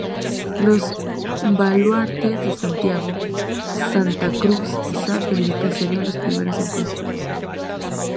Los baluartes de Santiago, Santa Cruz y San Felipe serían los primeros en construirse.